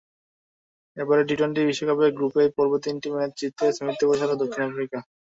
এবারের টি-টোয়েন্টি বিশ্বকাপে গ্রুপ পর্বে তিনটি ম্যাচ জিতে সেমিতে পৌঁছেছিল দক্ষিণ আফ্রিকা।